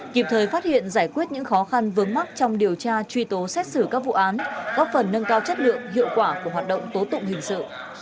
kịp thời phát hiện giải quyết những khó khăn vướng mắt trong điều tra truy tố xét xử các vụ án góp phần nâng cao chất lượng hiệu quả của hoạt động tố tụng hình sự